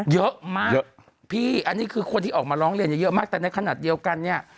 เยอะมากเยอะพี่อันนี้คือคนที่ออกมาร้องเรียนเยอะมากแต่ในขณะเดียวกันเนี่ย